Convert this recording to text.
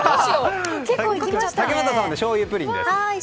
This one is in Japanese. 竹俣さんはしょうゆプリンです。